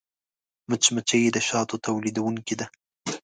مچمچۍ د شاتو تولیدوونکې ده